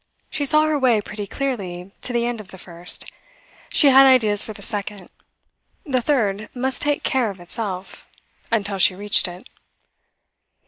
She saw her way pretty clearly to the end of the first; she had ideas for the second; the third must take care of itself until she reached it.